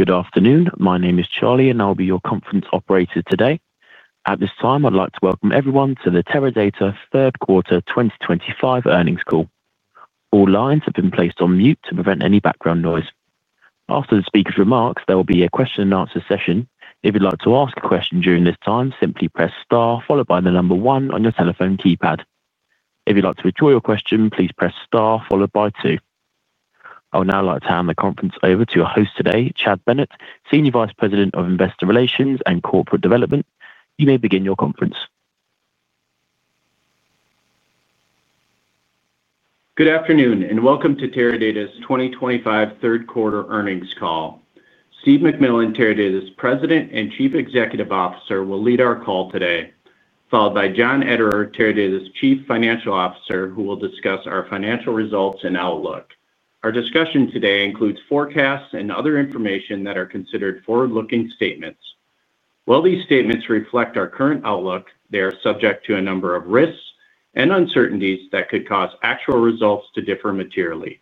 Good afternoon. My name is Charlie, and I'll be your conference operator today. At this time, I'd like to welcome everyone to the Teradata third quarter 2025 earnings call. All lines have been placed on mute to prevent any background noise. After the speakers' remarks, there will be a question-and-answer session. If you'd like to ask a question during this time, simply press star followed by the number one on your telephone keypad. If you'd like to withdraw your question, please press star followed by two. I would now like to hand the conference over to our host today, Chad Bennett, Senior Vice President of Investor Relations and Corporate Development. You may begin your conference. Good afternoon and welcome to Teradata's 2025 third quarter earnings call. Steve McMillan, Teradata's President and Chief Executive Officer, will lead our call today, followed by John Ederer, Teradata's Chief Financial Officer, who will discuss our financial results and outlook. Our discussion today includes forecasts and other information that are considered forward-looking statements. While these statements reflect our current outlook, they are subject to a number of risks and uncertainties that could cause actual results to differ materially.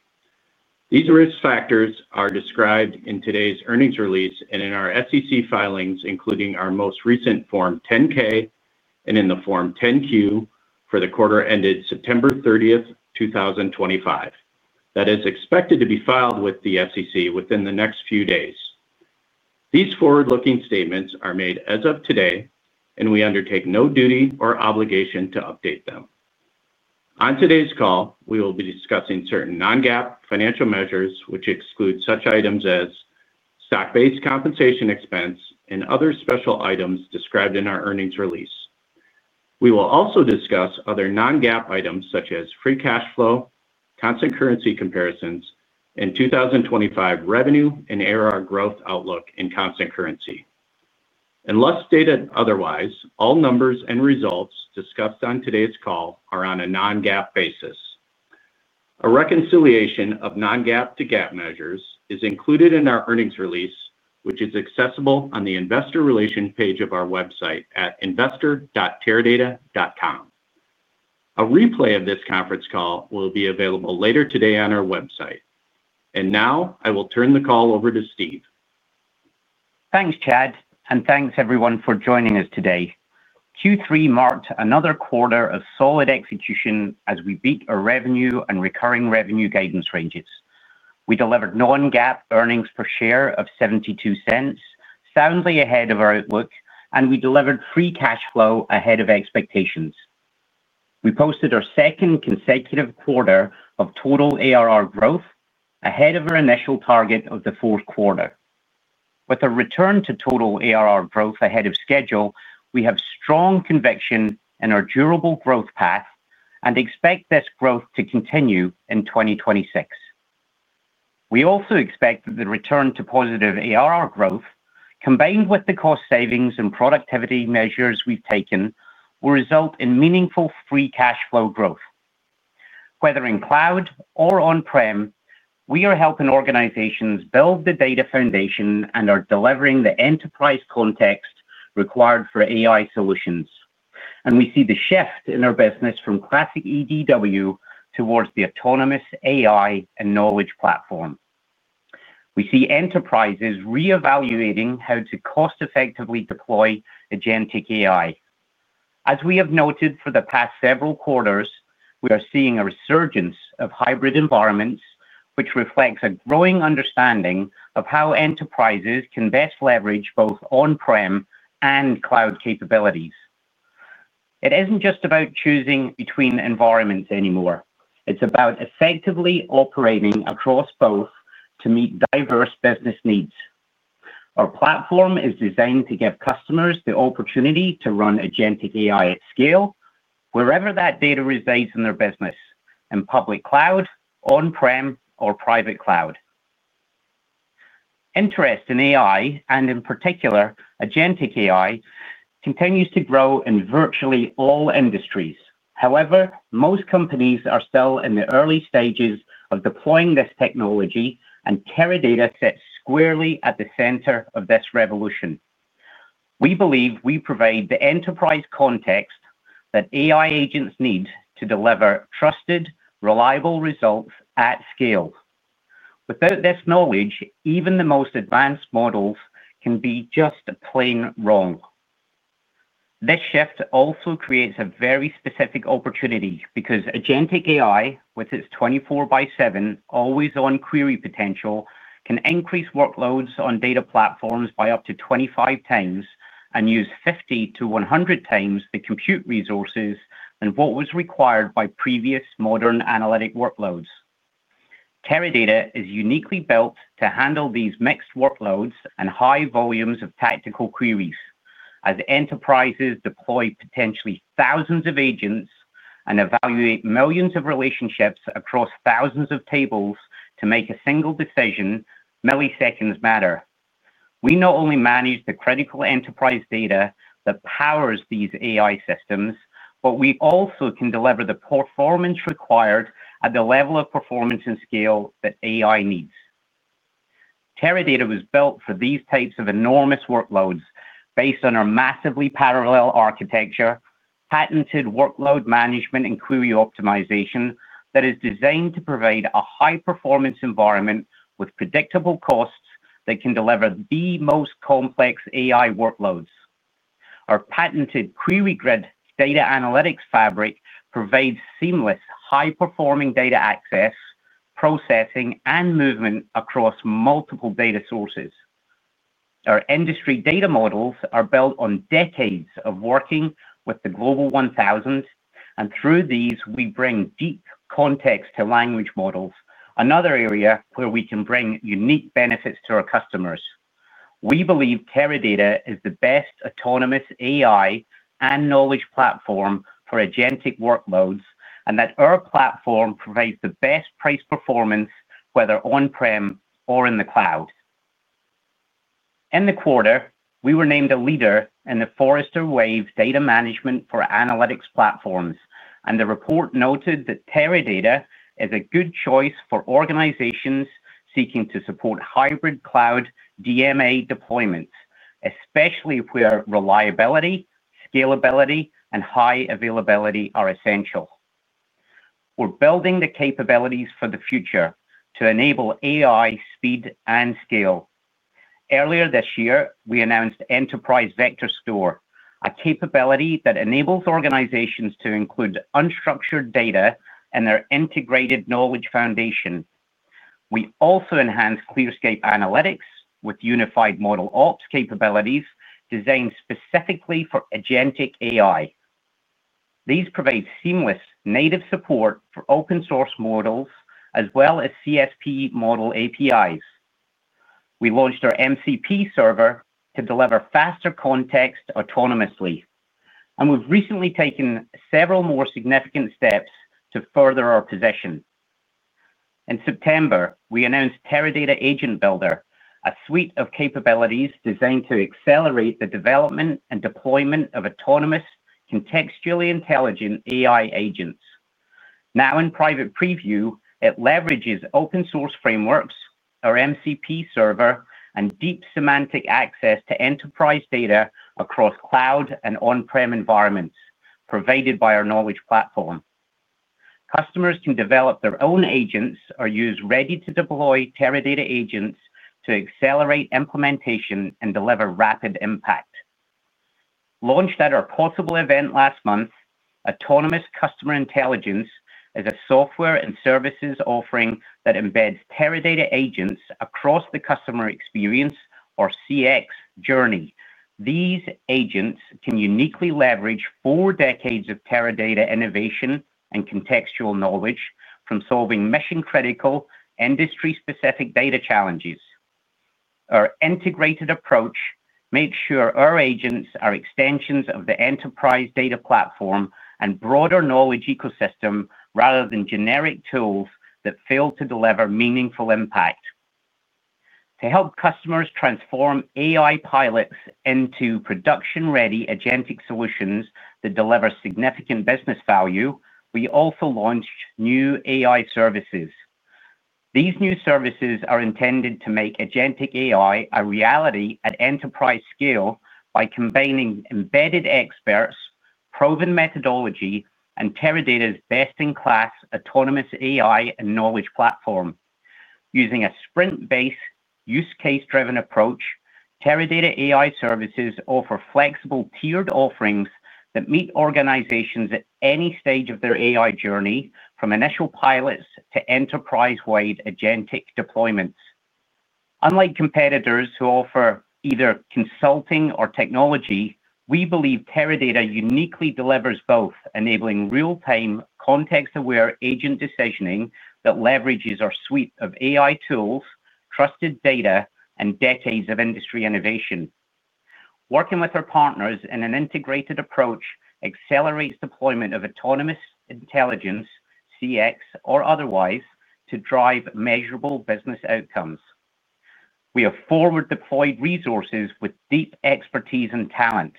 These risk factors are described in today's earnings release and in our SEC filings, including our most recent Form 10-K and in the Form 10-Q for the quarter ended September 30th, 2025. That is expected to be filed with the SEC within the next few days. These forward-looking statements are made as of today, and we undertake no duty or obligation to update them. On today's call, we will be discussing certain non-GAAP financial measures, which exclude such items as stock-based compensation expense and other special items described in our earnings release. We will also discuss other non-GAAP items such as Free Cash Flow, constant currency comparisons, and 2025 revenue and ARR growth outlook in constant currency. Unless stated otherwise, all numbers and results discussed on today's call are on a non-GAAP basis. A reconciliation of non-GAAP to GAAP measures is included in our earnings release, which is accessible on the investor relations page of our website at investor.teradata.com. A replay of this conference call will be available later today on our website, and now I will turn the call over to Steve. Thanks, Chad, and thanks everyone for joining us today. Q3 marked another quarter of solid execution as we beat our revenue and recurring revenue guidance ranges. We delivered Non-GAAP earnings per share of $0.72, soundly ahead of our outlook, and we delivered Free Cash Flow ahead of expectations. We posted our second consecutive quarter of Total ARR growth ahead of our initial target of the fourth quarter. With a return to Total ARR growth ahead of schedule, we have strong conviction in our durable growth path and expect this growth to continue in 2026. We also expect that the return to positive ARR growth, combined with the cost savings and productivity measures we've taken, will result in meaningful Free Cash Flow growth. Whether in cloud or on-prem, we are helping organizations build the data foundation and are delivering the enterprise context required for AI solutions. And we see the shift in our business from classic EDW towards the autonomous AI and knowledge platform. We see enterprises reevaluating how to cost-effectively deploy agentic AI. As we have noted for the past several quarters, we are seeing a resurgence of hybrid environments, which reflects a growing understanding of how enterprises can best leverage both on-prem and cloud capabilities. It isn't just about choosing between environments anymore. It's about effectively operating across both to meet diverse business needs. Our platform is designed to give customers the opportunity to run agentic AI at scale, wherever that data resides in their business, in public cloud, on-prem, or private cloud. Interest in AI, and in particular agentic AI, continues to grow in virtually all industries. However, most companies are still in the early stages of deploying this technology, and Teradata sits squarely at the center of this revolution. We believe we provide the enterprise context that AI agents need to deliver trusted, reliable results at scale. Without this knowledge, even the most advanced models can be just plain wrong. This shift also creates a very specific opportunity because agentic AI, with its 24 by 7, always-on query potential, can increase workloads on data platforms by up to 25x and use 50x-100x the compute resources than what was required by previous modern analytic workloads. Teradata is uniquely built to handle these mixed workloads and high volumes of tactical queries. As enterprises deploy potentially thousands of agents and evaluate millions of relationships across thousands of tables to make a single decision, milliseconds matter. We not only manage the critical enterprise data that powers these AI systems, but we also can deliver the performance required at the level of performance and scale that AI needs. Teradata was built for these types of enormous workloads based on our massively parallel architecture, patented workload management, and query optimization that is designed to provide a high-performance environment with predictable costs that can deliver the most complex AI workloads. Our patented QueryGrid data analytics fabric provides seamless, high-performing data access, processing, and movement across multiple data sources. Our industry data models are built on decades of working with the Global 1000, and through these, we bring deep context to language models, another area where we can bring unique benefits to our customers. We believe Teradata is the best autonomous AI and knowledge platform for agentic workloads and that our platform provides the best price performance, whether on-prem or in the cloud. In the quarter, we were named a leader in the Forrester Wave data management for analytics platforms, and the report noted that Teradata is a good choice for organizations seeking to support hybrid cloud DMA deployments, especially where reliability, scalability, and high availability are essential. We're building the capabilities for the future to enable AI speed and scale. Earlier this year, we announced Enterprise Vector Store, a capability that enables organizations to include unstructured data in their integrated knowledge foundation. We also enhanced ClearScape Analytics with unified ModelOps capabilities designed specifically for agentic AI. These provide seamless native support for open-source models as well as CSP model APIs. We launched our MCP Server to deliver faster context autonomously, and we've recently taken several more significant steps to further our position. In September, we announced Teradata AgentBuilder, a suite of capabilities designed to accelerate the development and deployment of autonomous, contextually intelligent AI agents. Now in private preview, it leverages open-source frameworks, our MCP Server, and deep semantic access to enterprise data across cloud and on-prem environments provided by our knowledge platform. Customers can develop their own agents or use ready-to-deploy Teradata agents to accelerate implementation and deliver rapid impact. Launched at our Possible Event last month, Autonomous Customer Intelligence is a software and services offering that embeds Teradata agents across the customer experience, or CX, journey. These agents can uniquely leverage four decades of Teradata innovation and contextual knowledge from solving mission-critical, industry-specific data challenges. Our integrated approach makes sure our agents are extensions of the enterprise data platform and broader knowledge ecosystem rather than generic tools that fail to deliver meaningful impact. To help customers transform AI pilots into production-ready agentic solutions that deliver significant business value, we also launched new AI services. These new services are intended to make agentic AI a reality at enterprise scale by combining embedded experts, proven methodology, and Teradata's best-in-class autonomous AI and knowledge platform. Using a sprint-based, use-case-driven approach, Teradata AI Services offer flexible, tiered offerings that meet organizations at any stage of their AI journey, from initial pilots to enterprise-wide agentic deployments. Unlike competitors who offer either consulting or technology, we believe Teradata uniquely delivers both, enabling real-time, context-aware agent decisioning that leverages our suite of AI tools, trusted data, and decades of industry innovation. Working with our partners in an integrated approach accelerates deployment of autonomous intelligence, CX, or otherwise to drive measurable business outcomes. We have forward-deployed resources with deep expertise and talent.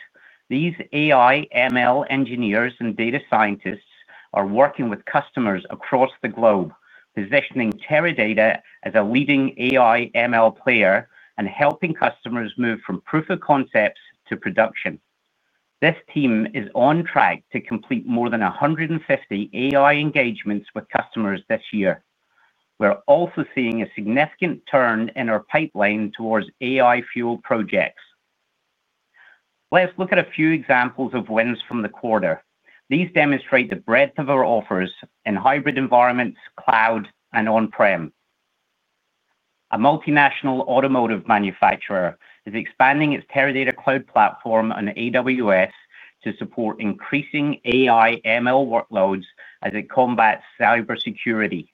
These AI/ML engineers and data scientists are working with customers across the globe, positioning Teradata as a leading AI/ML player and helping customers move from proof of concepts to production. This team is on track to complete more than 150 AI engagements with customers this year. We're also seeing a significant turn in our pipeline towards AI-fueled projects. Let's look at a few examples of wins from the quarter. These demonstrate the breadth of our offers in hybrid environments, cloud, and on-prem. A multinational automotive manufacturer is expanding its Teradata Cloud Platform on AWS to support increasing AI/ML workloads as it combats cybersecurity.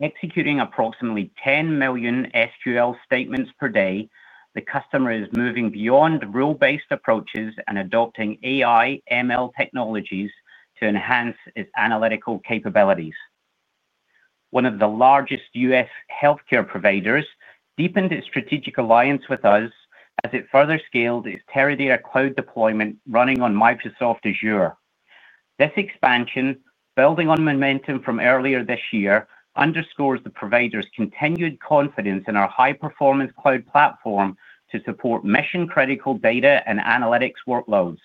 Executing approximately 10 million SQL statements per day, the customer is moving beyond rule-based approaches and adopting AI/ML technologies to enhance its analytical capabilities. One of the largest U.S. healthcare providers deepened its strategic alliance with us as it further scaled its Teradata Cloud deployment running on Microsoft Azure. This expansion, building on momentum from earlier this year, underscores the provider's continued confidence in our high-performance cloud platform to support mission-critical data and analytics workloads.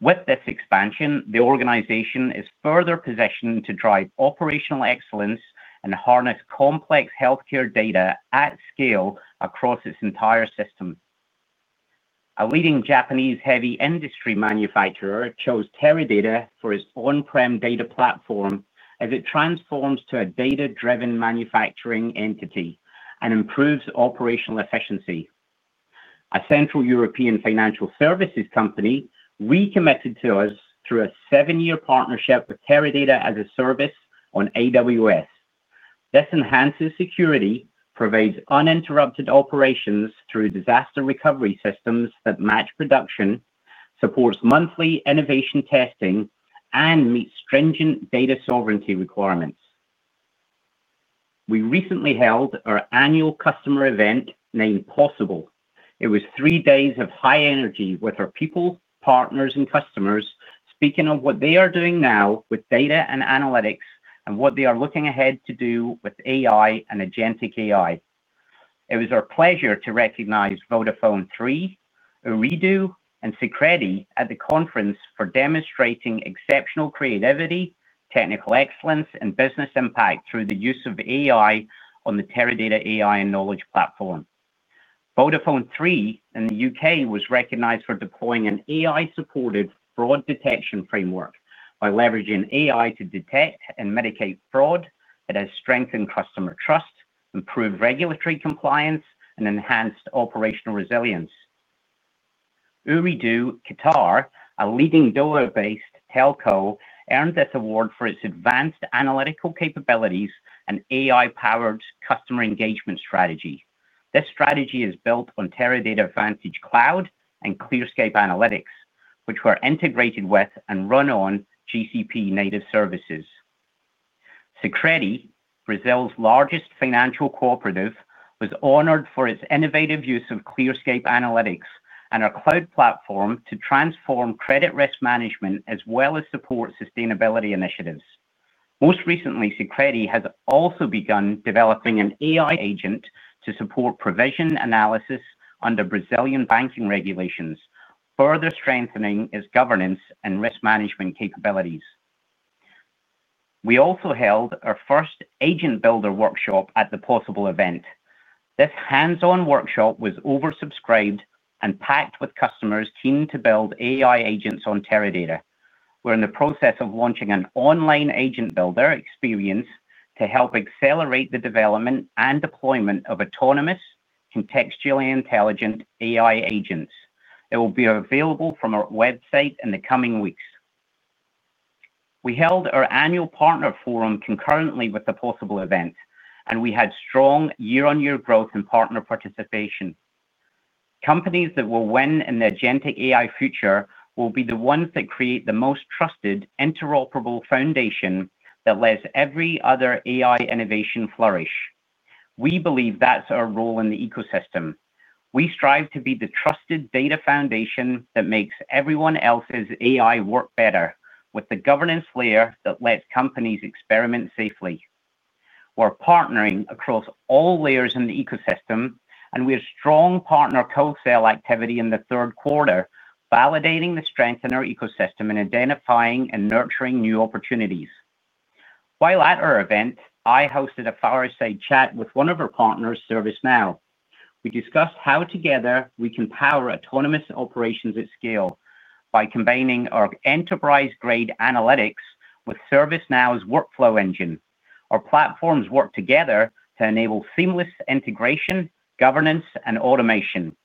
With this expansion, the organization is further positioned to drive operational excellence and harness complex healthcare data at scale across its entire system. A leading Japanese heavy industry manufacturer chose Teradata for its on-prem data platform as it transforms to a data-driven manufacturing entity and improves operational efficiency. A Central European financial services company recommitted to us through a seven-year partnership with Teradata as a Service on AWS. This enhances security, provides uninterrupted operations through disaster recovery systems that match production, supports monthly innovation testing, and meets stringent data sovereignty requirements. We recently held our annual customer event named Possible. It was three days of high energy with our people, partners, and customers speaking of what they are doing now with data and analytics and what they are looking ahead to do with AI and agentic AI. It was our pleasure to recognize VodafoneThree, Ooredoo, and Sicredi at the conference for demonstrating exceptional creativity, technical excellence, and business impact through the use of AI on the Teradata AI and knowledge platform. VodafoneThree in the U.K. was recognized for deploying an AI-supported fraud detection framework by leveraging AI to detect and mitigate fraud. It has strengthened customer trust, improved regulatory compliance, and enhanced operational resilience. Ooredoo, Qatar, a leading Doha-based telco, earned this award for its advanced analytical capabilities and AI-powered customer engagement strategy. This strategy is built on Teradata Vantage Cloud and ClearScape Analytics, which were integrated with and run on GCP-native services. Sicredi, Brazil's largest financial cooperative, was honored for its innovative use of ClearScape Analytics and our cloud platform to transform credit risk management as well as support sustainability initiatives. Most recently, Sicredi has also begun developing an AI agent to support provision analysis under Brazilian banking regulations, further strengthening its governance and risk management capabilities. We also held our first AgentBuilder workshop at the Possible Event. This hands-on workshop was oversubscribed and packed with customers keen to build AI agents on Teradata. We're in the process of launching an online AgentBuilder experience to help accelerate the development and deployment of autonomous, contextually intelligent AI agents. It will be available from our website in the coming weeks. We held our annual partner forum concurrently with the Possible Event, and we had strong year-on-year growth and partner participation. Companies that will win in the agentic AI future will be the ones that create the most trusted, interoperable foundation that lets every other AI innovation flourish. We believe that's our role in the ecosystem. We strive to be the trusted data foundation that makes everyone else's AI work better with the governance layer that lets companies experiment safely. We're partnering across all layers in the ecosystem, and we have strong partner co-sell activity in the third quarter, validating the strength in our ecosystem and identifying and nurturing new opportunities. While at our event, I hosted a fireside chat with one of our partners, ServiceNow. We discussed how together we can power autonomous operations at scale by combining our enterprise-grade analytics with ServiceNow's workflow engine. Our platforms work together to enable seamless integration, governance, and automation.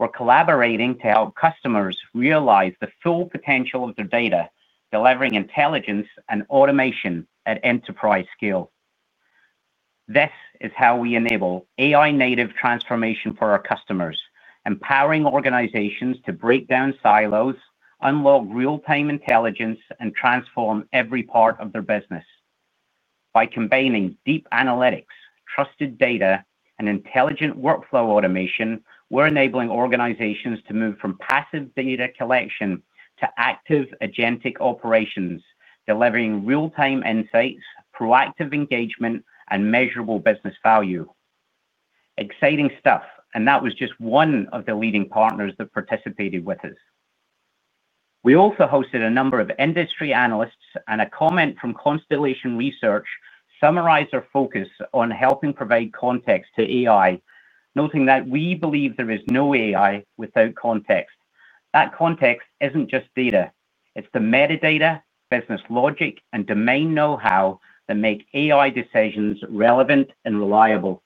We're collaborating to help customers realize the full potential of their data, delivering intelligence and automation at enterprise scale. This is how we enable AI-native transformation for our customers, empowering organizations to break down silos, unlock real-time intelligence, and transform every part of their business. By combining deep analytics, trusted data, and intelligent workflow automation, we're enabling organizations to move from passive data collection to active agentic operations, delivering real-time insights, proactive engagement, and measurable business value. Exciting stuff, and that was just one of the leading partners that participated with us. We also hosted a number of industry analysts and a comment from Constellation Research summarized our focus on helping provide context to AI, noting that we believe there is no AI without context. That context isn't just data. It's the metadata, business logic, and domain know-how that make AI decisions relevant and reliable.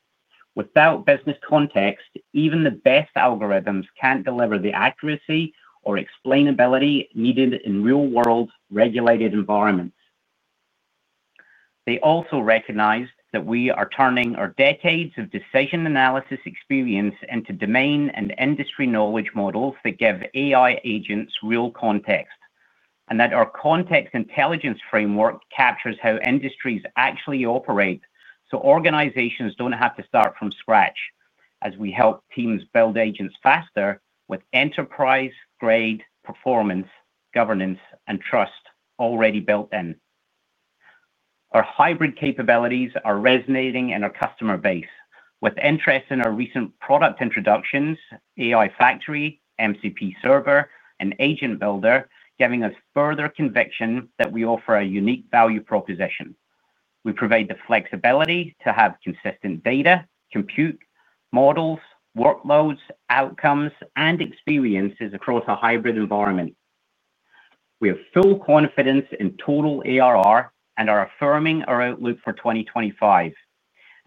Without business context, even the best algorithms can't deliver the accuracy or explainability needed in real-world regulated environments. They also recognized that we are turning our decades of decision analysis experience into domain and industry knowledge models that give AI agents real context, and that our context intelligence framework captures how industries actually operate so organizations don't have to start from scratch as we help teams build agents faster with enterprise-grade performance, governance, and trust already built in. Our hybrid capabilities are resonating in our customer base. With interest in our recent product introductions, AI Factory, MCP Server, and AgentBuilder giving us further conviction that we offer a unique value proposition. We provide the flexibility to have consistent data, compute, models, workloads, outcomes, and experiences across a hybrid environment. We have full confidence in Total ARR and are affirming our outlook for 2025.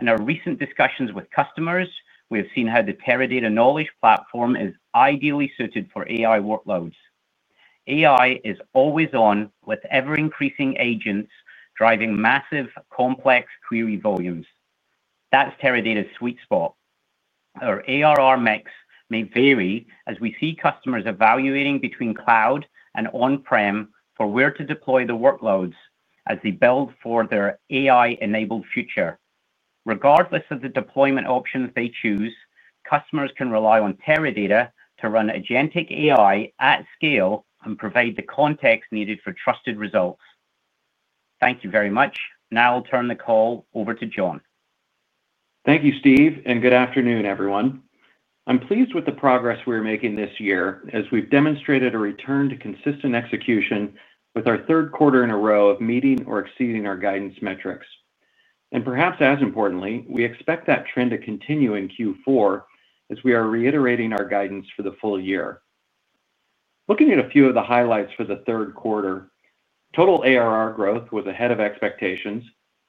In our recent discussions with customers, we have seen how the Teradata Knowledge Platform is ideally suited for AI workloads. AI is always on with ever-increasing agents driving massive, complex query volumes. That's Teradata's sweet spot. Our ARR mix may vary as we see customers evaluating between cloud and on-prem for where to deploy the workloads as they build for their AI-enabled future. Regardless of the deployment options they choose, customers can rely on Teradata to run agentic AI at scale and provide the context needed for trusted results. Thank you very much. Now I'll turn the call over to John. Thank you, Steve, and good afternoon, everyone. I'm pleased with the progress we're making this year as we've demonstrated a return to consistent execution with our third quarter in a row of meeting or exceeding our guidance metrics. And perhaps as importantly, we expect that trend to continue in Q4 as we are reiterating our guidance for the full year. Looking at a few of the highlights for the third quarter, Total ARR growth was ahead of expectations,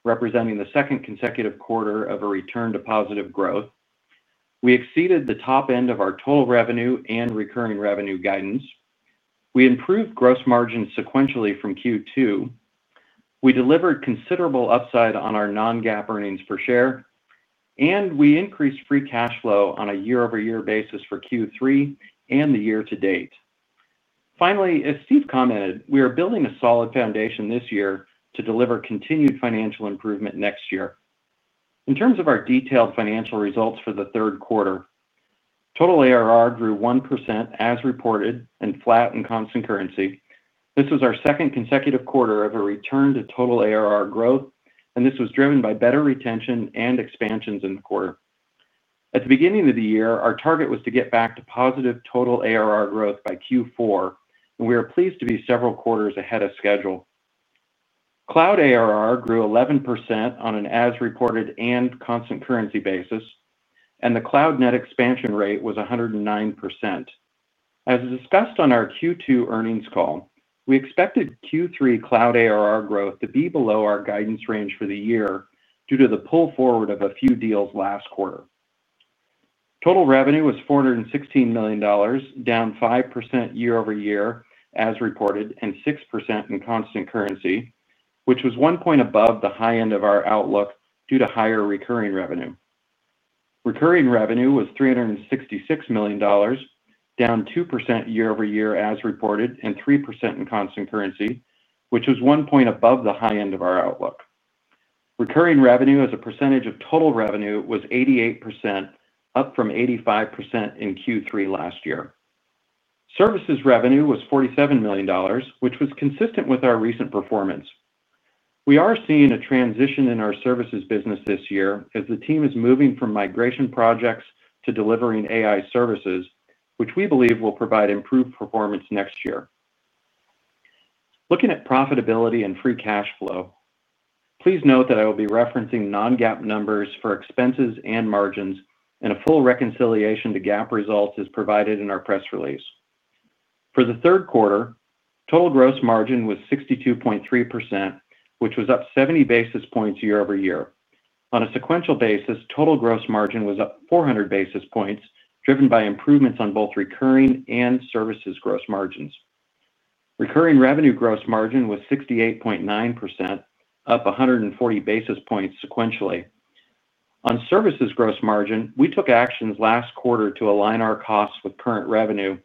representing the second consecutive quarter of a return to positive growth. We exceeded the top end of our total revenue and recurring revenue guidance. We improved gross margins sequentially from Q2. We delivered considerable upside on our Non-GAAP earnings per share, and we increased Free Cash Flow on a year-over-year basis for Q3 and the year to date. Finally, as Steve commented, we are building a solid foundation this year to deliver continued financial improvement next year. In terms of our detailed financial results for the third quarter, Total ARR grew 1% as reported and flat in constant currency. This was our second consecutive quarter of a return to Total ARR growth, and this was driven by better retention and expansions in the quarter. At the beginning of the year, our target was to get back to positive Total ARR growth by Q4, and we are pleased to be several quarters ahead of schedule. Cloud ARR grew 11% on an as-reported and constant currency basis, and the cloud net expansion rate was 109%. As discussed on our Q2 earnings call, we expected Q3 Cloud ARR growth to be below our guidance range for the year due to the pull forward of a few deals last quarter. Total revenue was $416 million, down 5% year-over-year as reported and 6% in constant currency, which was one point above the high end of our outlook due to higher recurring revenue. Recurring revenue was $366 million, down 2% year-over-year as reported and 3% in constant currency, which was one point above the high end of our outlook. Recurring revenue as a percentage of total revenue was 88%, up from 85% in Q3 last year. Services revenue was $47 million, which was consistent with our recent performance. We are seeing a transition in our services business this year as the team is moving from migration projects to delivering AI services, which we believe will provide improved performance next year. Looking at profitability and Free Cash Flow, please note that I will be referencing Non-GAAP numbers for expenses and margins, and a full reconciliation to GAAP results is provided in our press release. For the third quarter, total gross margin was 62.3%, which was up 70 basis points year-over-year. On a sequential basis, total gross margin was up 400 basis points, driven by improvements on both recurring and services gross margins. Recurring revenue gross margin was 68.9%, up 140 basis points sequentially. On services gross margin, we took actions last quarter to align our costs with current revenue,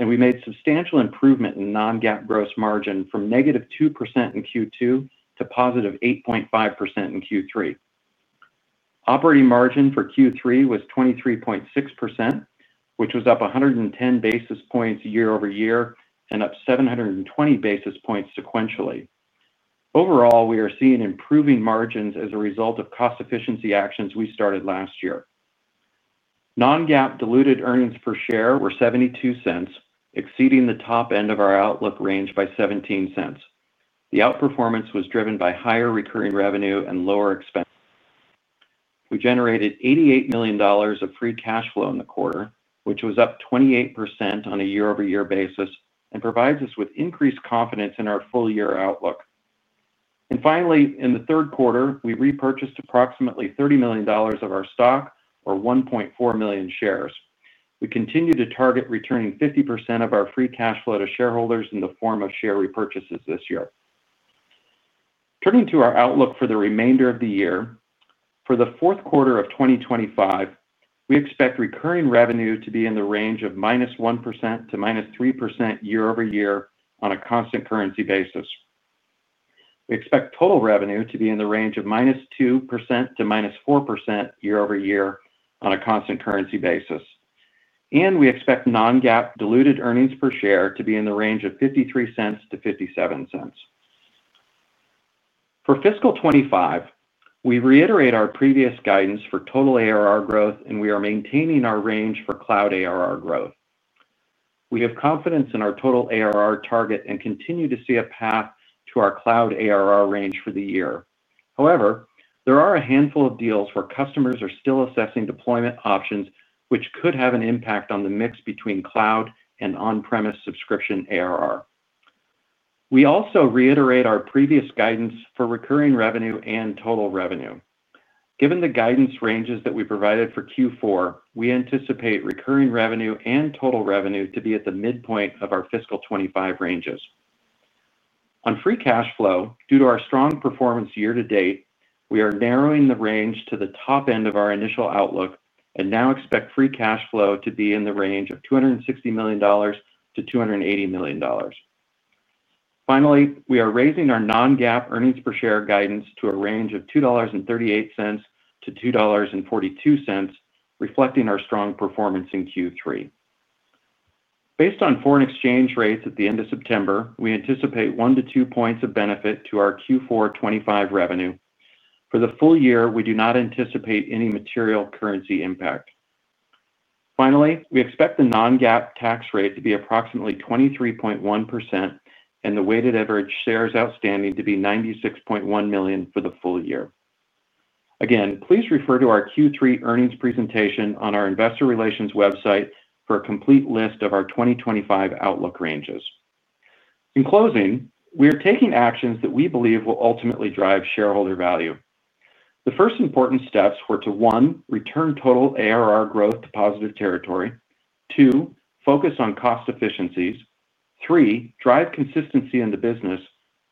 and we made substantial improvement in Non-GAAP gross margin from -2% in Q2 to +8.5% in Q3. Operating margin for Q3 was 23.6%, which was up 110 basis points year-over-year and up 720 basis points sequentially. Overall, we are seeing improving margins as a result of cost-efficiency actions we started last year. Non-GAAP diluted earnings per share were $0.72, exceeding the top end of our outlook range by $0.17. The outperformance was driven by higher recurring revenue and lower expenses. We generated $88 million of Free Cash Flow in the quarter, which was up 28% on a year-over-year basis and provides us with increased confidence in our full-year outlook. Finally, in the third quarter, we repurchased approximately $30 million of our stock, or 1.4 million shares. We continue to target returning 50% of our Free Cash Flow to shareholders in the form of share repurchases this year. Turning to our outlook for the remainder of the year, for the fourth quarter of 2025, we expect recurring revenue to be in the range of -1% to -3% year-over-year on a constant currency basis. We expect total revenue to be in the range of -2% to -4% year-over-year on a constant currency basis. We expect Non-GAAP diluted earnings per share to be in the range of $0.53-$0.57. For fiscal 2025, we reiterate our previous guidance for Total ARR growth, and we are maintaining our range for Cloud ARR growth. We have confidence in our Total ARR target and continue to see a path to our Cloud ARR range for the year. However, there are a handful of deals where customers are still assessing deployment options, which could have an impact on the mix between cloud and on-premise subscription ARR. We also reiterate our previous guidance for recurring revenue and total revenue. Given the guidance ranges that we provided for Q4, we anticipate recurring revenue and total revenue to be at the midpoint of our fiscal 2025 ranges. On Free Cash Flow, due to our strong performance year-to-date, we are narrowing the range to the top end of our initial outlook and now expect Free Cash Flow to be in the range of $260 million-$280 million. Finally, we are raising our Non-GAAP earnings per share guidance to a range of $2.38-$2.42, reflecting our strong performance in Q3. Based on foreign exchange rates at the end of September, we anticipate one to two points of benefit to our Q4 25 revenue. For the full year, we do not anticipate any material currency impact. Finally, we expect the non-GAAP tax rate to be approximately 23.1% and the weighted average shares outstanding to be 96.1 million for the full year. Again, please refer to our Q3 earnings presentation on our investor relations website for a complete list of our 2025 outlook ranges. In closing, we are taking actions that we believe will ultimately drive shareholder value. The first important steps were to, one, return Total ARR growth to positive territory; two, focus on cost efficiencies; three, drive consistency in the business;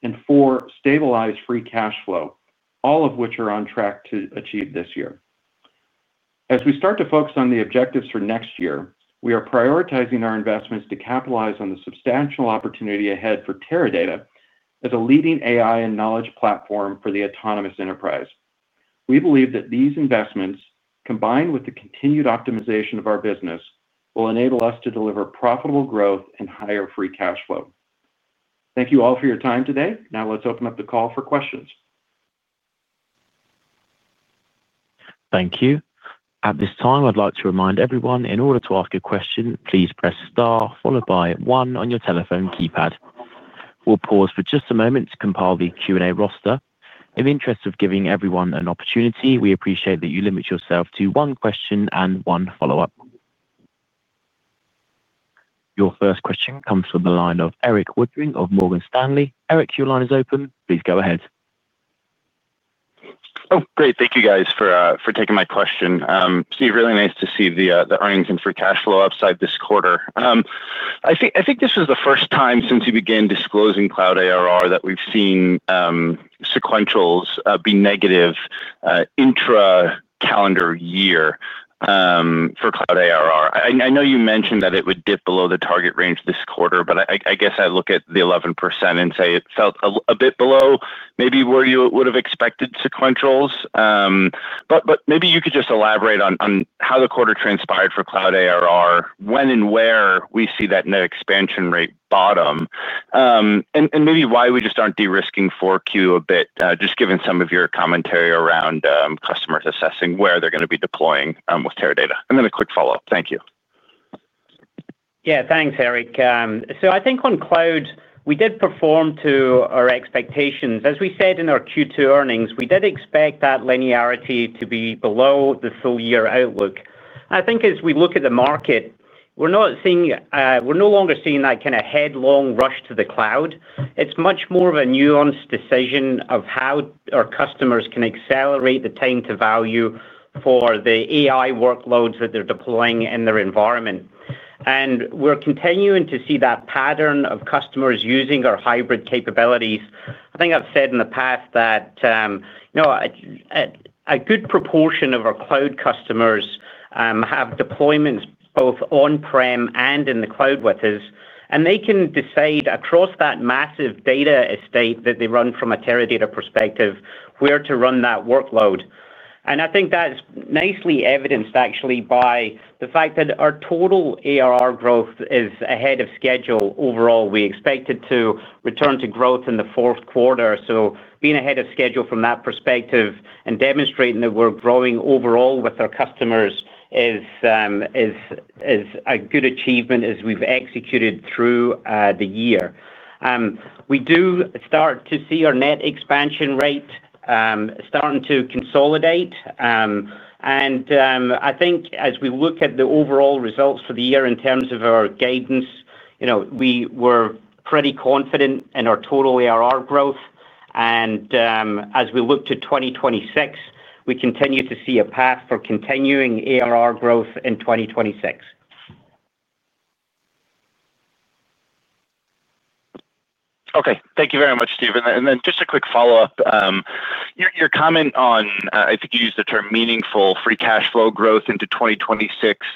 and four, stabilize Free Cash Flow, all of which are on track to achieve this year. As we start to focus on the objectives for next year, we are prioritizing our investments to capitalize on the substantial opportunity ahead for Teradata as a leading AI and knowledge platform for the autonomous enterprise. We believe that these investments, combined with the continued optimization of our business, will enable us to deliver profitable growth and higher Free Cash Flow. Thank you all for your time today. Now let's open up the call for questions. Thank you. At this time, I'd like to remind everyone, in order to ask a question, please press star followed by one on your telephone keypad. We'll pause for just a moment to compile the Q&A roster. In the interest of giving everyone an opportunity, we appreciate that you limit yourself to one question and one follow-up. Your first question comes from the line of Erik Woodring of Morgan Stanley. Erik, your line is open. Please go ahead. Oh, great. Thank you, guys, for taking my question. Steve, really nice to see the earnings and Free Cash Flow upside this quarter. I think this was the first time since we began disclosing Cloud ARR that we've seen sequentials be negative intracalendar year for Cloud ARR. I know you mentioned that it would dip below the target range this quarter, but I guess I'd look at the 11% and say it felt a bit below maybe where you would have expected sequentials. But maybe you could just elaborate on how the quarter transpired for Cloud ARR, when and where we see that net expansion rate bottom. And maybe why we just aren't de-risking 4Q a bit, just given some of your commentary around customers assessing where they're going to be deploying with Teradata. And then a quick follow-up. Thank you. Yeah, thanks, Erik. So I think on cloud, we did perform to our expectations. As we said in our Q2 earnings, we did expect that linearity to be below the full-year outlook. I think as we look at the market, we're no longer seeing that kind of headlong rush to the cloud. It's much more of a nuanced decision of how our customers can accelerate the time to value for the AI workloads that they're deploying in their environment. And we're continuing to see that pattern of customers using our hybrid capabilities. I think I've said in the past that a good proportion of our cloud customers have deployments both on-prem and in the cloud with us, and they can decide across that massive data estate that they run from a Teradata perspective where to run that workload. And I think that's nicely evidenced, actually, by the fact that our Total ARR growth is ahead of schedule overall. We expected to return to growth in the fourth quarter. So being ahead of schedule from that perspective and demonstrating that we're growing overall with our customers is a good achievement as we've executed through the year. We do start to see our net expansion rate starting to consolidate. And I think as we look at the overall results for the year in terms of our guidance, we were pretty confident in our Total ARR growth. And as we look to 2026, we continue to see a path for continuing ARR growth in 2026. Okay. Thank you very much, Steve. And then just a quick follow-up. Your comment on, I think you used the term meaningful Free Cash Flow growth into 2026,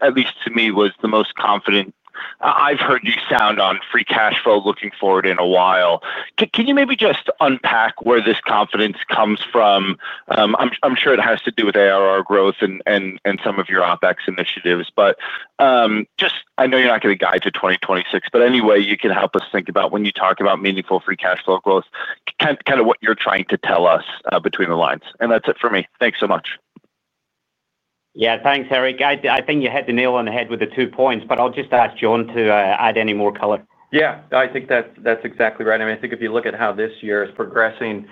at least to me, was the most confident I've heard you sound on Free Cash Flow looking forward in a while. Can you maybe just unpack where this confidence comes from? I'm sure it has to do with ARR growth and some of your OpEx initiatives. But just I know you're not going to guide to 2026, but any way you can help us think about when you talk about meaningful Free Cash Flow growth, kind of what you're trying to tell us between the lines. And that's it for me. Thanks so much. Yeah, thanks, Erik. I think you hit the nail on the head with the two points, but I'll just ask John to add any more color. Yeah. I think that's exactly right. I mean, I think if you look at how this year is progressing,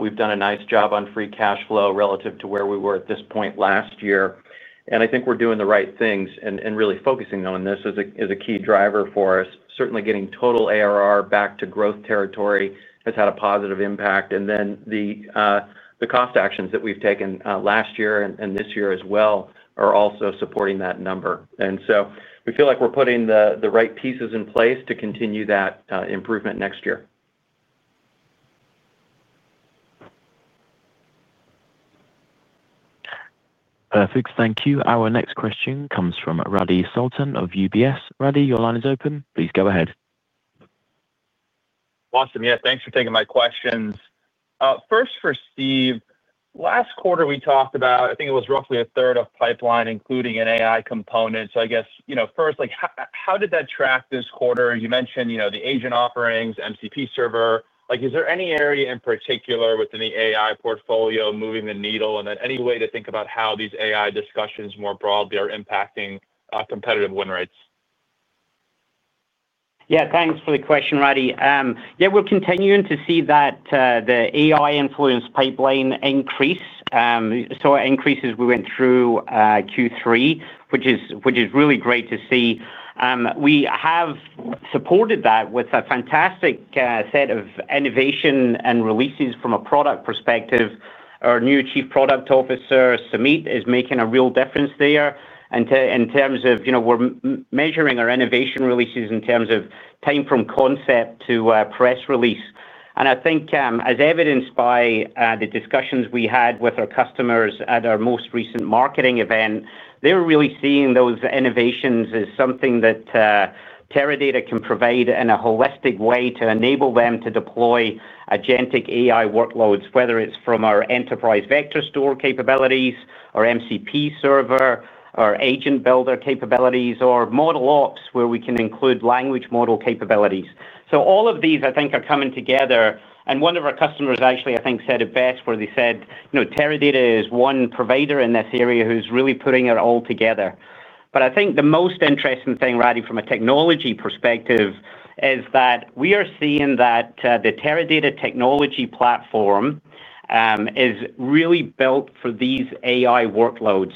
we've done a nice job on Free Cash Flow relative to where we were at this point last year. And I think we're doing the right things, and really focusing on this is a key driver for us. Certainly, getting Total ARR back to growth territory has had a positive impact. And then the cost actions that we've taken last year and this year as well are also supporting that number. And so we feel like we're putting the right pieces in place to continue that improvement next year. Perfect. Thank you. Our next question comes from Radi Saltan of UBS. Ruddy, your line is open. Please go ahead. Awesome. Yeah. Thanks for taking my questions. First for Steve, last quarter we talked about, I think it was roughly 1/3 of pipeline, including an AI component. So I guess first, how did that track this quarter? You mentioned the agent offerings, MCP Server. Is there any area in particular within the AI portfolio moving the needle? And then any way to think about how these AI discussions more broadly are impacting competitive win rates? Yeah. Thanks for the question, Radi. Yeah, we're continuing to see that the AI influence pipeline increase. So increases we went through Q3, which is really great to see. We have supported that with a fantastic set of innovation and releases from a product perspective. Our new Chief Product Officer, Sumeet, is making a real difference there. And in terms of we're measuring our innovation releases in terms of time from concept to press release. And I think as evidenced by the discussions we had with our customers at our most recent marketing event, they were really seeing those innovations as something that Teradata can provide in a holistic way to enable them to deploy agentic AI workloads, whether it's from our Enterprise Vector Store capabilities, our MCP Server, our AgentBuilder capabilities, or ModelOps where we can include language model capabilities. So all of these, I think, are coming together. And one of our customers actually, I think, said it best where they said, "Teradata is one provider in this area who's really putting it all together." But I think the most interesting thing, right, from a technology perspective, is that we are seeing that the Teradata technology platform is really built for these AI workloads.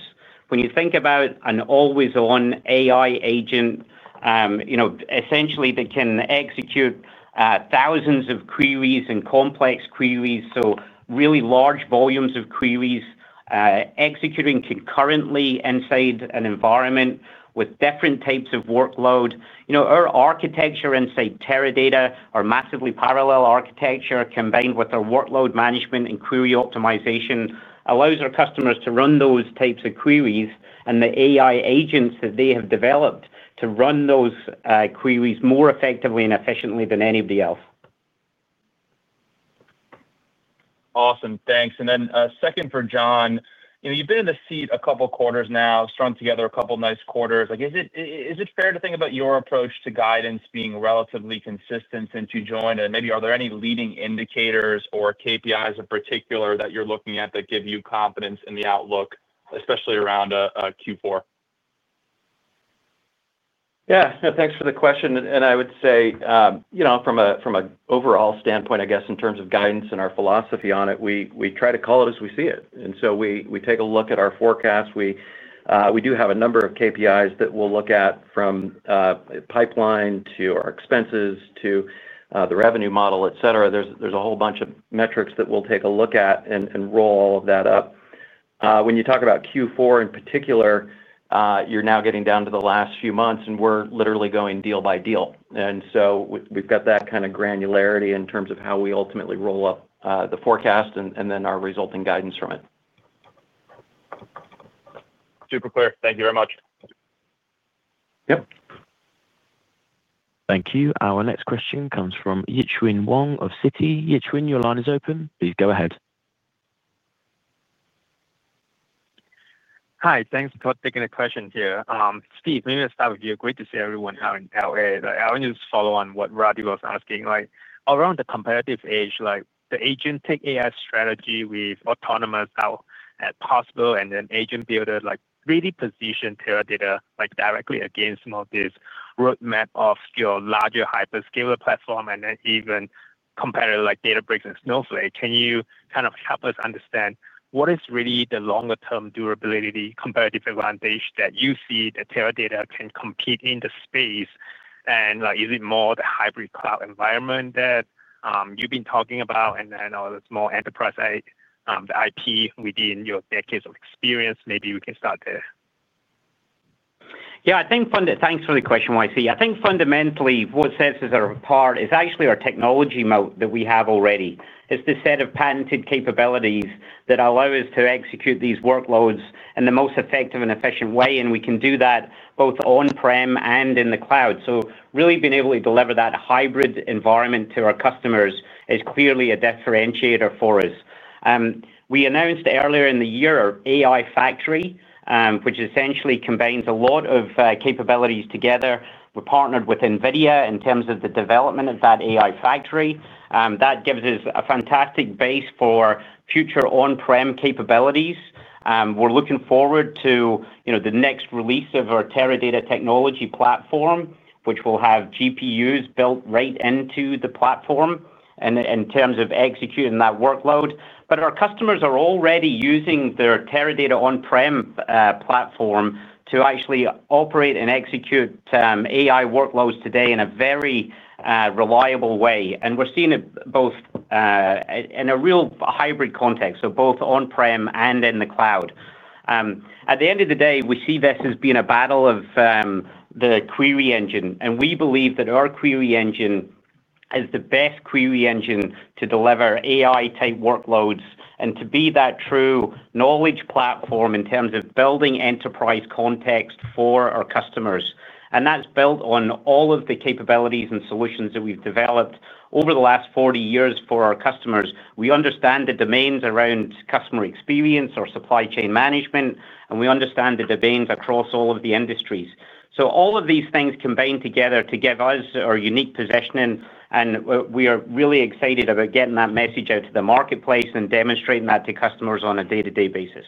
When you think about an always-on AI agent essentially that can execute thousands of queries and complex queries, so really large volumes of queries executing concurrently inside an environment with different types of workload. Our architecture inside Teradata, our massively parallel architecture combined with our workload management and query optimization, allows our customers to run those types of queries and the AI agents that they have developed to run those queries more effectively and efficiently than anybody else. Awesome. Thanks. And then second for John, you've been in the seat a couple of quarters now, strung together a couple of nice quarters. Is it fair to think about your approach to guidance being relatively consistent since you joined? And maybe are there any leading indicators or KPIs in particular that you're looking at that give you confidence in the outlook, especially around Q4? Yeah. Thanks for the question. And I would say from an overall standpoint, I guess, in terms of guidance and our philosophy on it, we try to call it as we see it. And so we take a look at our forecast. We do have a number of KPIs that we'll look at from pipeline to our expenses to the revenue model, etc. There's a whole bunch of metrics that we'll take a look at and roll all of that up. When you talk about Q4 in particular. You're now getting down to the last few months, and we're literally going deal by deal. And so we've got that kind of granularity in terms of how we ultimately roll up the forecast and then our resulting guidance from it. Super clear. Thank you very much. Yep. Thank you. Our next question comes from Yitchuin Wong of Citi. Yitchuin, your line is open. Please go ahead. Hi. Thanks for taking the question here. Steve, maybe I'll start with you. Great to see everyone out in L.A. I want to just follow on what Radi was asking. Around the competitive edge, the agentic AI strategy with Autonomous, Possible, and then AgentBuilder, really positioned Teradata directly against some of this roadmap of your larger hyperscaler platform and then even competitors like Databricks and Snowflake. Can you kind of help us understand what is really the longer-term durability competitive advantage that you see that Teradata can compete in the space? And is it more the hybrid cloud environment that you've been talking about and then all this more enterprise IP within your decades of experience? Maybe we can start there. Yeah. Thanks for the question, YC. I think fundamentally, what sets us apart is actually our technology moat that we have already. It's the set of patented capabilities that allow us to execute these workloads in the most effective and efficient way. And we can do that both on-prem and in the cloud. So really being able to deliver that hybrid environment to our customers is clearly a differentiator for us. We announced earlier in the year our AI Factory, which essentially combines a lot of capabilities together. We're partnered with NVIDIA in terms of the development of that AI Factory. That gives us a fantastic base for future on-prem capabilities. We're looking forward to the next release of our Teradata technology platform, which will have GPUs built right into the platform. In terms of executing that workload. But our customers are already using their Teradata on-prem platform to actually operate and execute AI workloads today in a very reliable way. And we're seeing it both in a real hybrid context, so both on-prem and in the cloud. At the end of the day, we see this as being a battle of the query engine. And we believe that our query engine is the best query engine to deliver AI-type workloads and to be that true knowledge platform in terms of building enterprise context for our customers. And that's built on all of the capabilities and solutions that we've developed over the last 40 years for our customers. We understand the demands around customer experience or supply chain management, and we understand the demands across all of the industries. So all of these things combine together to give us our unique positioning. And we are really excited about getting that message out to the marketplace and demonstrating that to customers on a day-to-day basis.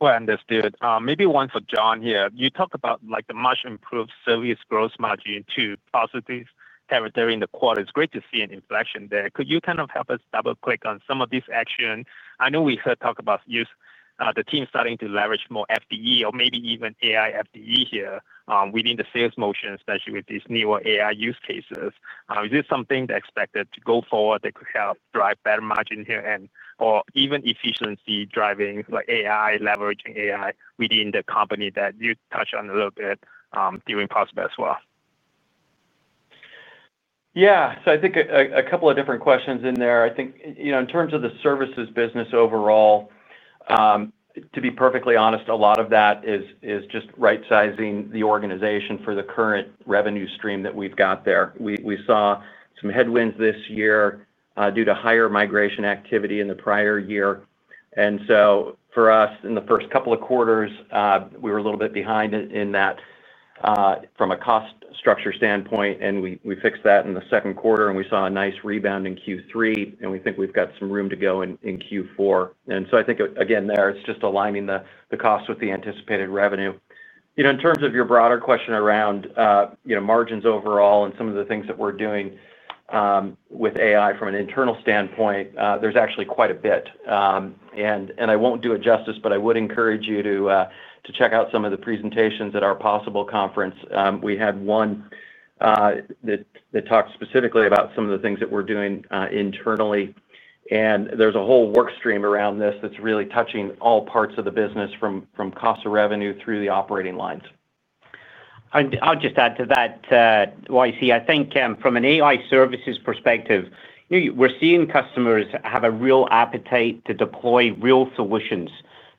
Understood. Maybe one for John here. You talked about the much-improved services gross margin to positive territory in the quarter. It's great to see an inflection there. Could you kind of help us double-click on some of this action? I know we heard talk about the team starting to leverage more FDE or maybe even AI FDE here within the sales motion, especially with these newer AI use cases. Is this something that's expected to go forward that could help drive better margin here or even efficiency driving AI, leveraging AI within the company that you touched on a little bit during Possible as well? Yeah. So I think a couple of different questions in there. I think in terms of the services business overall. To be perfectly honest, a lot of that is just right-sizing the organization for the current revenue stream that we've got there. We saw some headwinds this year due to higher migration activity in the prior year. And so for us, in the first couple of quarters, we were a little bit behind in that. From a cost structure standpoint. And we fixed that in the second quarter, and we saw a nice rebound in Q3. And we think we've got some room to go in Q4. And so I think, again, there, it's just aligning the cost with the anticipated revenue. In terms of your broader question around. Margins overall and some of the things that we're doing. With AI from an internal standpoint, there's actually quite a bit. And I won't do it justice, but I would encourage you to check out some of the presentations at our Possible conference. We had one. That talked specifically about some of the things that we're doing internally. And there's a whole workstream around this that's really touching all parts of the business from cost of revenue through the operating lines. I'll just add to that. YC. I think from an AI services perspective, we're seeing customers have a real appetite to deploy real solutions.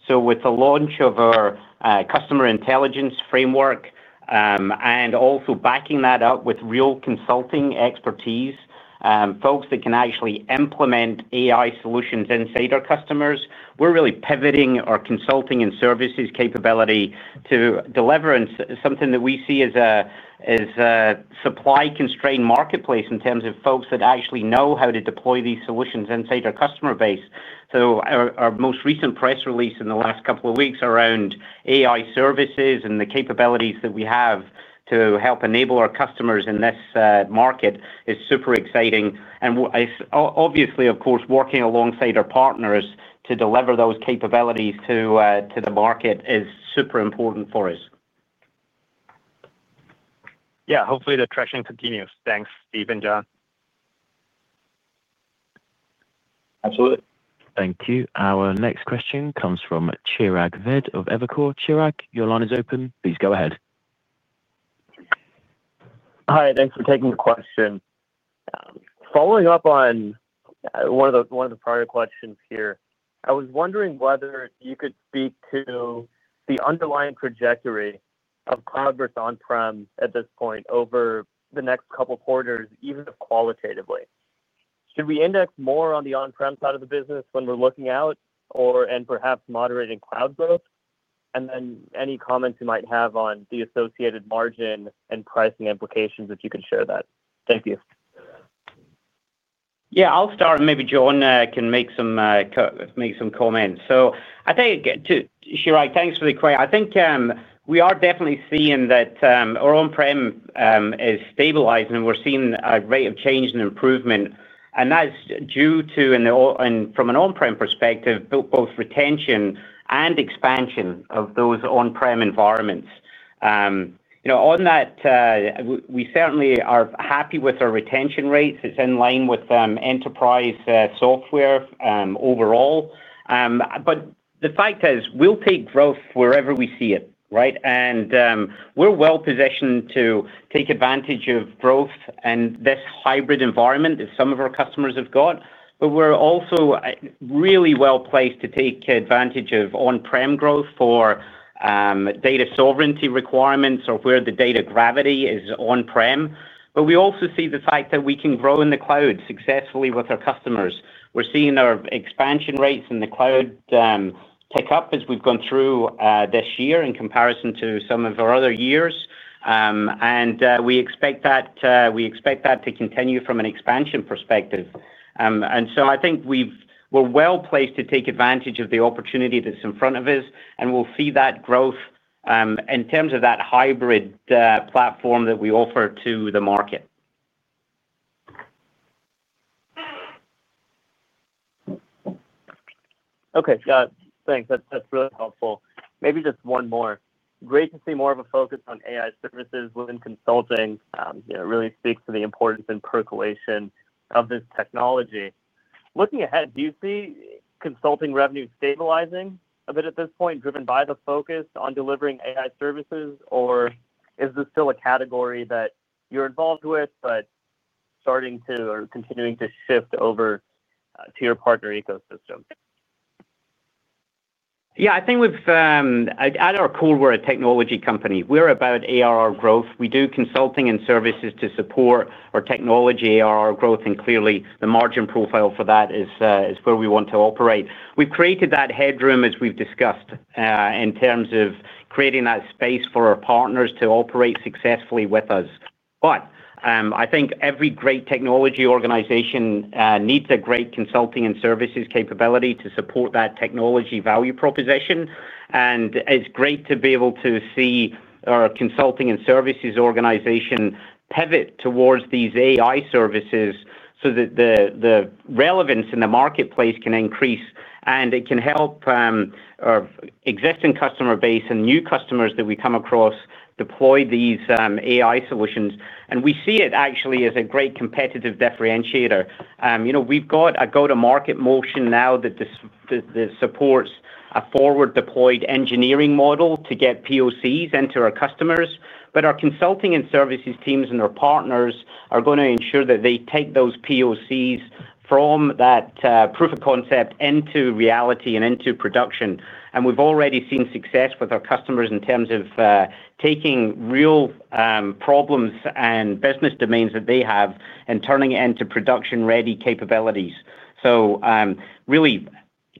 So with the launch of our Customer Intelligence framework. And also backing that up with real consulting expertise, folks that can actually implement AI solutions inside our customers, we're really pivoting our consulting and services capability to deliver something that we see as a. Supply-constrained marketplace in terms of folks that actually know how to deploy these solutions inside our customer base. So our most recent press release in the last couple of weeks around AI services and the capabilities that we have to help enable our customers in this market is super exciting. And. Obviously, of course, working alongside our partners to deliver those capabilities to the market is super important for us. Yeah. Hopefully, the traction continues. Thanks, Steve and John. Absolutely. Thank you. Our next question comes from Chirag Ved of Evercore. Chirag, your line is open. Please go ahead. Hi. Thanks for taking the question. Following up on one of the prior questions here, I was wondering whether you could speak to the underlying trajectory of Cloud ARR on-prem at this point over the next couple of quarters, even if qualitatively. Should we index more on the on-prem side of the business when we're looking out and perhaps moderating Cloud ARR? And then any comments you might have on the associated margin and pricing implications, if you could share that. Thank you. Yeah. I'll start. Maybe John can make some comments. So I think, Chirag, thanks for the question. I think we are definitely seeing that our on-prem is stabilizing, and we're seeing a rate of change and improvement. And that's due to, from an on-prem perspective, both retention and expansion of those on-prem environments. On that. We certainly are happy with our retention rates. It's in line with enterprise software overall. But the fact is we'll take growth wherever we see it, right? And we're well-positioned to take advantage of growth and this hybrid environment that some of our customers have got. But we're also really well-placed to take advantage of on-prem growth for data sovereignty requirements or where the data gravity is on-prem. But we also see the fact that we can grow in the cloud successfully with our customers. We're seeing our expansion rates in the cloud tick up as we've gone through this year in comparison to some of our other years. And we expect that to continue from an expansion perspective. And so I think we're well-placed to take advantage of the opportunity that's in front of us. And we'll see that growth in terms of that hybrid platform that we offer to the market. Okay. Got it. Thanks. That's really helpful. Maybe just one more. Great to see more of a focus on AI services within consulting. It really speaks to the importance and percolation of this technology. Looking ahead, do you see consulting revenue stabilizing a bit at this point, driven by the focus on delivering AI services? Or is this still a category that you're involved with but starting to or continuing to shift over to your partner ecosystem? Yeah. I think at our core, we're a technology company. We're about ARR growth. We do consulting and services to support our technology ARR growth. And clearly, the margin profile for that is where we want to operate. We've created that headroom, as we've discussed, in terms of creating that space for our partners to operate successfully with us. But I think every great technology organization needs a great consulting and services capability to support that technology value proposition. And it's great to be able to see our consulting and services organization pivot towards these AI services so that the relevance in the marketplace can increase. And it can help our existing customer base and new customers that we come across deploy these AI solutions. And we see it actually as a great competitive differentiator. We've got a go-to-market motion now that supports a forward-deployed engineering model to get POCs into our customers. But our consulting and services teams and our partners are going to ensure that they take those POCs from that proof of concept into reality and into production. And we've already seen success with our customers in terms of taking real problems and business demands that they have and turning it into production-ready capabilities. So really,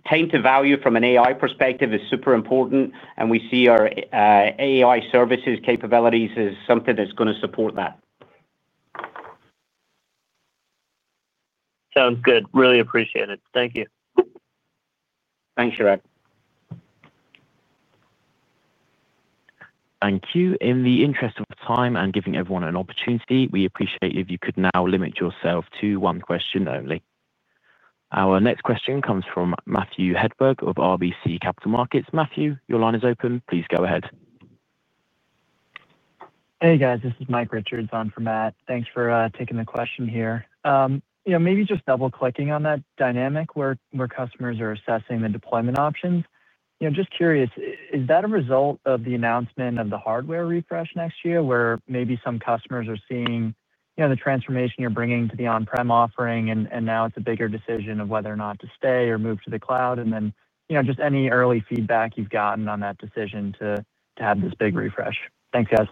time to value from an AI perspective is super important. And we see our AI services capabilities as something that's going to support that. Sounds good. Really appreciate it. Thank you. Thanks, Chirag. Thank you. In the interest of time and giving everyone an opportunity, we appreciate if you could now limit yourself to one question only. Our next question comes from Matthew Hedberg of RBC Capital Markets. Matthew, your line is open. Please go ahead. Hey, guys. This is Mike Richards on for Matt. Thanks for taking the question here. Maybe just double-clicking on that dynamic where customers are assessing the deployment options. Just curious, is that a result of the announcement of the hardware refresh next year where maybe some customers are seeing the transformation you're bringing to the on-prem offering and now it's a bigger decision of whether or not to stay or move to the cloud? And then just any early feedback you've gotten on that decision to have this big refresh. Thanks, guys.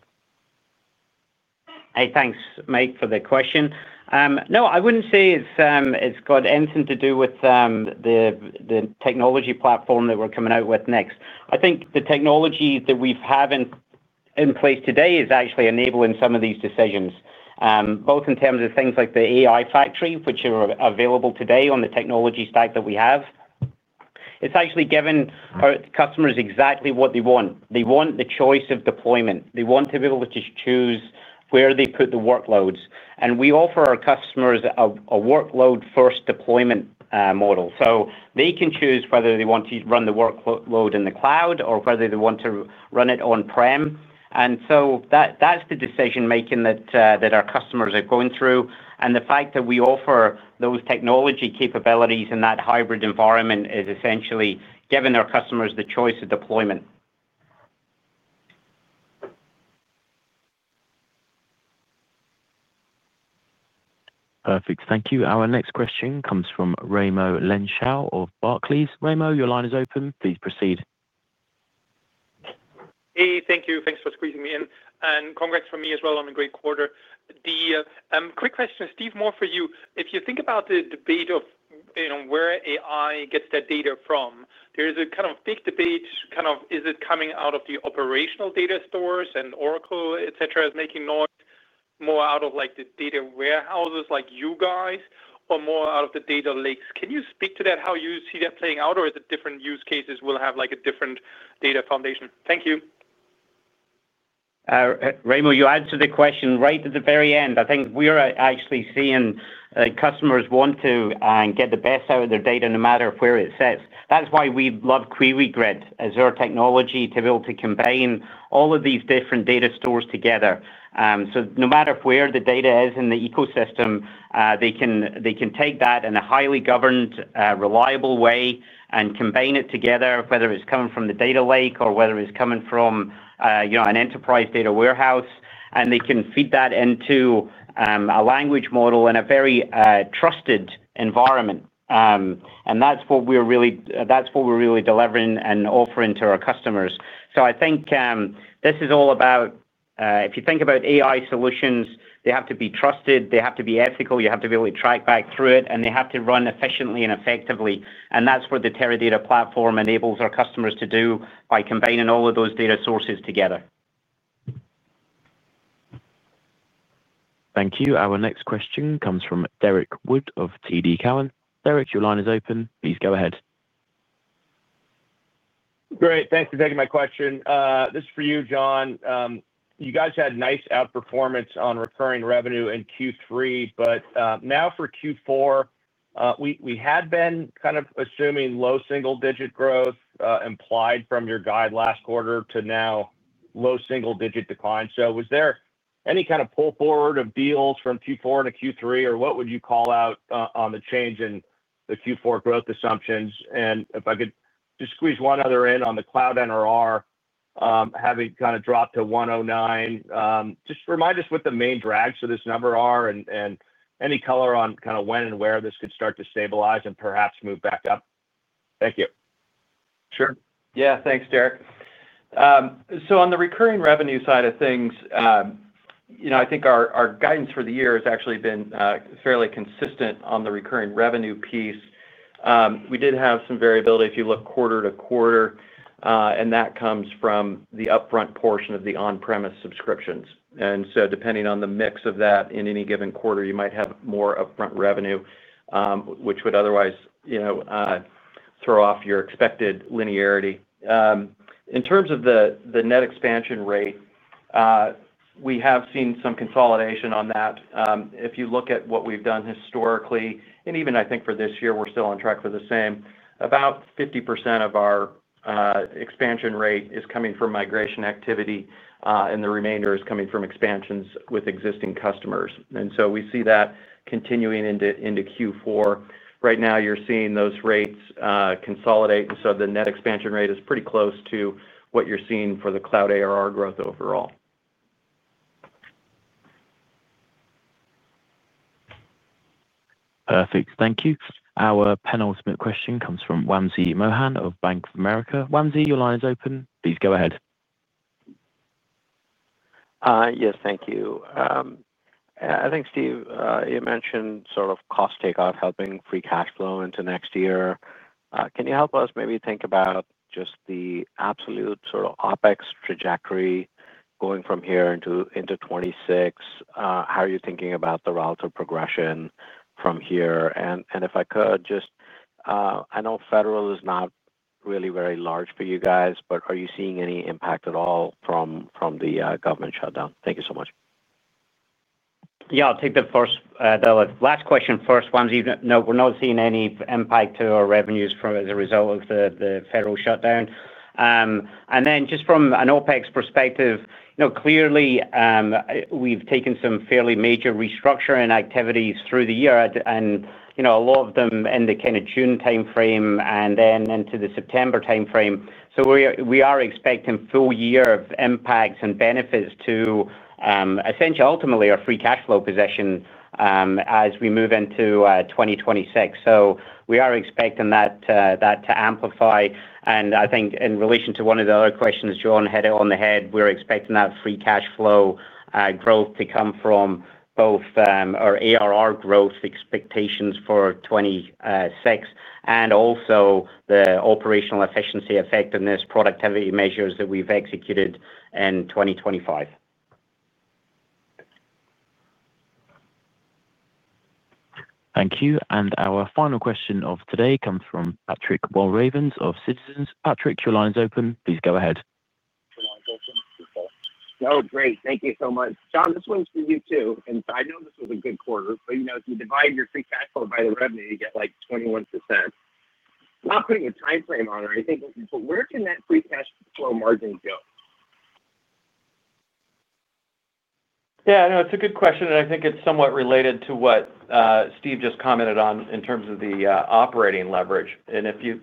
Hey, thanks, Mike, for the question. No, I wouldn't say it's got anything to do with the technology platform that we're coming out with next. I think the technology that we have in place today is actually enabling some of these decisions, both in terms of things like the AI Factory, which are available today on the technology stack that we have. It's actually giving our customers exactly what they want. They want the choice of deployment. They want to be able to just choose where they put the workloads. And we offer our customers a workload-first deployment model. So they can choose whether they want to run the workload in the cloud or whether they want to run it on-prem. And so that's the decision-making that our customers are going through. And the fact that we offer those technology capabilities in that hybrid environment is essentially giving our customers the choice of deployment. Perfect. Thank you. Our next question comes from Raimo Lenschow of Barclays. Raimo, your line is open. Please proceed. Hey, thank you. Thanks for squeezing me in. And congrats from me as well on a great quarter. The quick question is, Steve, more for you. If you think about the debate of where AI gets that data from, there is a kind of big debate. Kind of is it coming out of the operational data stores and Oracle, etc., is making noise more out of the data warehouses like you guys or more out of the data lakes? Can you speak to that, how you see that playing out, or is it different use cases will have a different data foundation? Thank you. Raimo, you answered the question right at the very end. I think we are actually seeing customers want to get the best out of their data no matter where it sits. That's why we love QueryGrid as our technology to be able to combine all of these different data stores together. So no matter where the data is in the ecosystem, they can take that in a highly governed, reliable way and combine it together, whether it's coming from the data lake or whether it's coming from an enterprise data warehouse. And they can feed that into a language model in a very trusted environment. And that's what we're really delivering and offering to our customers. So I think this is all about if you think about AI solutions, they have to be trusted. They have to be ethical. You have to be able to track back through it. And they have to run efficiently and effectively. And that's what the Teradata platform enables our customers to do by combining all of those data sources together. Thank you. Our next question comes from Derrick Wood of TD Cowen. Derek, your line is open. Please go ahead. Great. Thanks for taking my question. This is for you, John. You guys had nice outperformance on recurring revenue in Q3. But now for Q4, we had been kind of assuming low single-digit growth implied from your guide last quarter to now low single-digit decline. So was there any kind of pull forward of deals from Q4 to Q3? Or what would you call out on the change in the Q4 growth assumptions? And if I could just squeeze one other in on the Cloud NRR, having kind of dropped to 109%. Just remind us what the main drags of this number are and any color on kind of when and where this could start to stabilize and perhaps move back up. Thank you. Sure. Yeah. Thanks, Derrick. So on the recurring revenue side of things, I think our guidance for the year has actually been fairly consistent on the recurring revenue piece. We did have some variability if you look quarter to quarter. And that comes from the upfront portion of the on-premise subscriptions. And so depending on the mix of that in any given quarter, you might have more upfront revenue, which would otherwise throw off your expected linearity. In terms of the net expansion rate, we have seen some consolidation on that. If you look at what we've done historically, and even I think for this year, we're still on track for the same, about 50% of our expansion rate is coming from migration activity, and the remainder is coming from expansions with existing customers. And so we see that continuing into Q4. Right now, you're seeing those rates consolidate. And so the net expansion rate is pretty close to what you're seeing for the Cloud ARR growth overall. Perfect. Thank you. Our penultimate question comes from Wamsi Mohan of Bank of America. Wamsi, your line is open. Please go ahead. Yes. Thank you. I think, Steve, you mentioned sort of cost takeoff helping Free Cash Flow into next year. Can you help us maybe think about just the absolute sort of OpEx trajectory going from here into 2026? How are you thinking about the relative progression from here? And if I could, just. I know federal is not really very large for you guys, but are you seeing any impact at all from the government shutdown? Thank you so much. Yeah. I'll take the last question first. Wamsi, we're not seeing any impact to our revenues as a result of the federal shutdown. And then just from an OpEx perspective, clearly. We've taken some fairly major restructuring activities through the year, and a lot of them in the kind of June timeframe and then into the September timeframe. So we are expecting full year of impacts and benefits to essentially, ultimately, our Free Cash Flow position as we move into 2026. So we are expecting that to amplify. And I think in relation to one of the other questions, John hit it on the head, we're expecting that Free Cash Flow growth to come from both our ARR growth expectations for 2026 and also the operational efficiency effectiveness productivity measures that we've executed in 2025. Thank you. And our final question of today comes from Patrick Walravens of Citizens. Patrick, your line is open. Please go ahead. Your line's open. No, great. Thank you so much. John, this one's for you too. And I know this was a good quarter, but if you divide your Free Cash Flow by the revenue, you get like 21%. Not putting a timeframe on it, I think. But where can that Free Cash Flow margin go? Yeah. No, it's a good question. And I think it's somewhat related to what Steve just commented on in terms of the operating leverage. And if you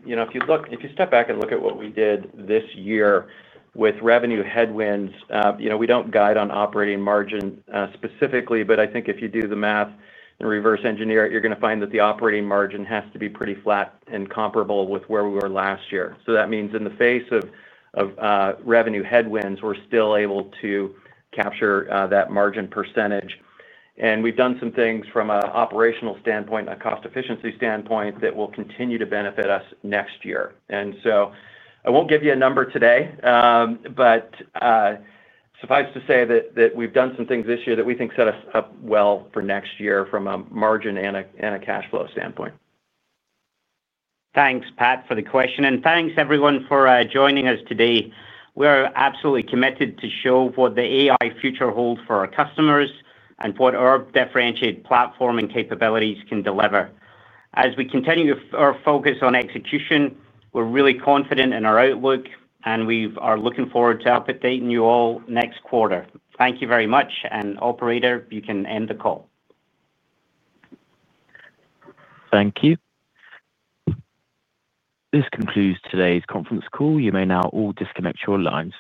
step back and look at what we did this year with revenue headwinds, we don't guide on operating margin specifically. But I think if you do the math and reverse engineer, you're going to find that the operating margin has to be pretty flat and comparable with where we were last year. So that means in the face of revenue headwinds, we're still able to capture that margin percentage. And we've done some things from an operational standpoint, a cost efficiency standpoint that will continue to benefit us next year. And so I won't give you a number today. Suffice to say that we've done some things this year that we think set us up well for next year from a margin and a cash flow standpoint. Thanks, Pat, for the question. And thanks, everyone, for joining us today. We are absolutely committed to show what the AI future holds for our customers and what our differentiated platform and capabilities can deliver. As we continue our focus on execution, we're really confident in our outlook, and we are looking forward to updating you all next quarter. Thank you very much. And Operator, you can end the call. Thank you. This concludes today's conference call. You may now all disconnect your lines.